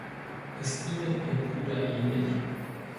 Ist Ihnen Ihr Bruder ähnlich?